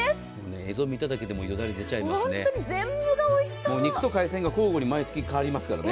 映像を見ただけでもよだれ出ちゃいますね。